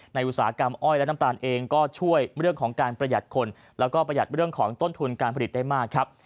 อุตสาหกรรมอ้อยและน้ำตาลเองก็ช่วยเรื่องของการประหยัดคนแล้วก็ประหยัดเรื่องของต้นทุนการผลิตได้มากครับ